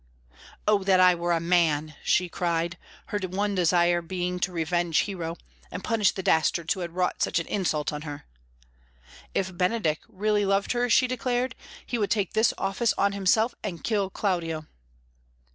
"Oh that I were a man!" she cried, her one desire being to revenge Hero, and punish the dastards who had wrought such an insult on her. If Benedick really loved her, she declared, he would take this office on himself and kill Claudio.